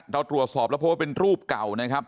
เราตรวจสอบแล้วเพราะว่าเป็นรูปเก่านะครับ